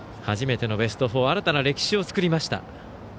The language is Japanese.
初めてのベスト４新たな歴史を作りました。